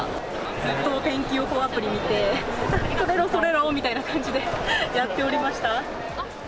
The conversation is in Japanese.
ずっと天気予報アプリ見て、それろそれろみたいな感じでやっておりました。